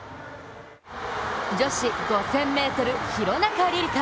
女子５０００ｍ、廣中璃梨佳